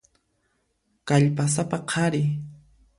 Kallpasapa qhari.